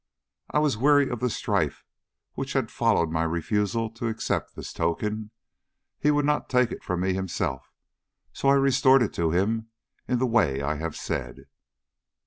"I was weary of the strife which had followed my refusal to accept this token. He would not take it from me himself, so I restored it to him in the way I have said."